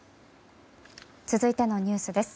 続いてのニュースです。